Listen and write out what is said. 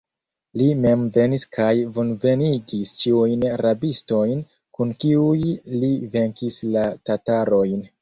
Li mem venis kaj kunvenigis ĉiujn rabistojn, kun kiuj li venkis la tatarojn.